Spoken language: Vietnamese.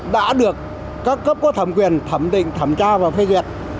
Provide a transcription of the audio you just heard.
đã được các cấp có thẩm quyền thẩm định thẩm tra và phê duyệt